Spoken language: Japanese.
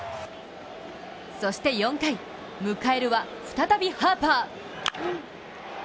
そして４回、迎えるは再びハーパー。